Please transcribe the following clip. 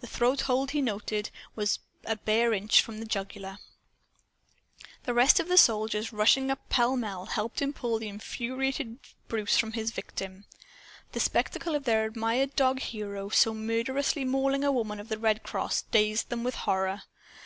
The throat hold, he noted, was a bare inch from the jugular. The rest of the soldiers, rushing up pell mell, helped him pull the infuriated Bruce from his victim. The spectacle of their admired dog hero, so murderously mauling a woman of the Red Cross, dazed them with horror.